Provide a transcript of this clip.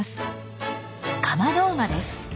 カマドウマです。